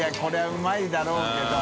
海譴うまいだろうけど。